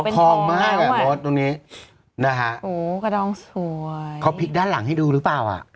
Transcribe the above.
พองมากอะหมดตรงนี้นะฮะเขาพลิกด้านหลังให้ดูหรือเปล่า